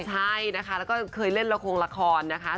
ใช่นะคะแล้วก็เคยเล่นละครละครนะคะ